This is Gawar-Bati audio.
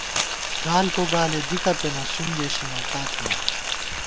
گالکو گالے دِکہ پېنہ ، سُوم گېشی نوکا تھنہ